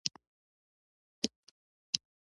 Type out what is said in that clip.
دویم، د استوایي سیمو ځمکې لږ حاصل ورکوي.